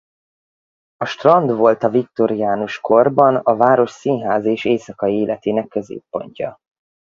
A Strand volt a viktoriánus korban a város színházi és éjszakai életének középpontja.